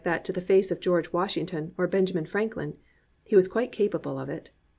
A STURDY BELIEVER to the face of Greorge Washington or Benjamin Franklin ! He was quite capable of it.)